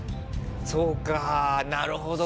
そうかなるほど。